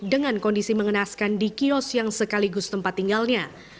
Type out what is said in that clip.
dengan kondisi mengenaskan di kios yang sekaligus tempat tinggalnya